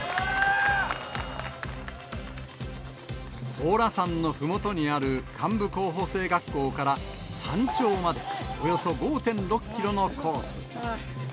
高良山のふもとにある幹部候補生学校から山頂まで、およそ５．６キロのコース。